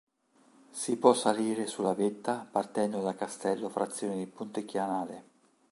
Si può salire sulla vetta partendo da Castello frazione di Pontechianale.